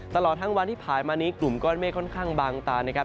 ตลอดทั้งวันที่ผ่านมานี้กลุ่มก้อนเมฆค่อนข้างบางตานะครับ